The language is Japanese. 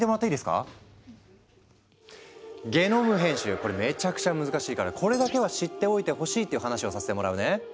これめちゃくちゃ難しいからこれだけは知っておいてほしいっていう話をさせてもらうね。